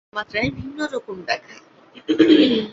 সেটাই হলে, এই ধাতু ভিন্ন তাপমাত্রায় ভিন্ন রকম দেখায়।